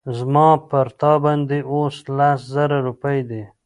زما پر تا باندي اوس لس زره روپۍ دي